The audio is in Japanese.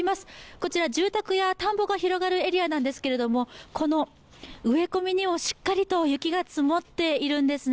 こちら住宅や田んぼが広がるエリアなんですけれども、この植え込みにもしっかりと雪が積もっているんですね。